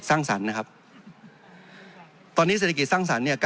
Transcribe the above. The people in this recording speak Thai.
จริงโครงการนี้มันเป็นภาพสะท้อนของรัฐบาลชุดนี้ได้เลยนะครับ